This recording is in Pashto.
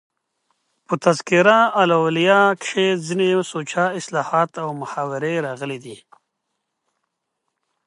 په "تذکرة الاولیاء" کښي ځيني سوچه اصطلاحات او محاورې راغلي دي.